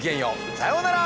さようなら。